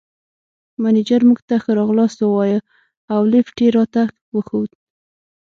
مېنېجر موږ ته ښه راغلاست ووایه او لېفټ یې راته وښود.